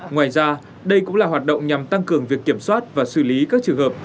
ngoài ra đây cũng là hoạt động nhằm tăng cường việc kiểm soát và xử lý các trường hợp